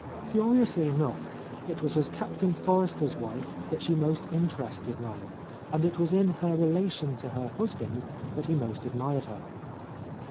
Curiously enough, it was as Captain For rester's wife that she most interested Niel, and it was in her relation to her husband that he most admired her.